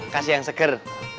kasih yang seker